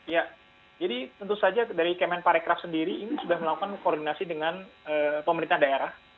ya jadi tentu saja dari kemen parekraf sendiri ini sudah melakukan koordinasi dengan pemerintah daerah